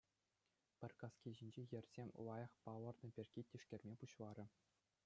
Пӗр каски ҫинчи йӗрсем лайӑх палӑрнӑ пирки тишкерме пуҫларӗ.